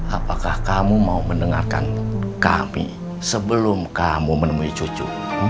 apakah kamu mau mendengarkan kami sebelum kamu menemui cucu